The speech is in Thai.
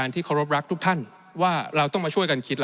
ที่ขอรบรักทุกท่านว่าเราต้องมาช่วยกันคิดล่ะครับ